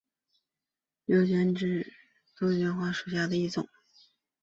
瘤枝杜鹃为杜鹃花科杜鹃属下的一个种。